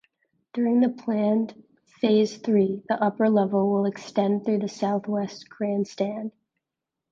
During the planned Phase Three, the upper level will extend through the southwest grandstand.